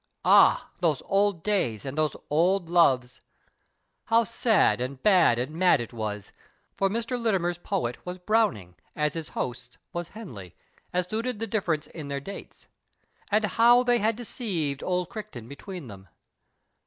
Ah ! those old days and those old loves ! How sad and bad and mad it was — for Mr. Littimer's poet was Browning, as his host's was Henley, as suited the difference in their dates — and how they had deceived old Crichton between them